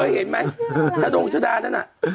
มายังเห็นไหมชาโนงชดานะน่ะ